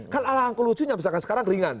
kan ala angkul lucunya misalkan sekarang ringan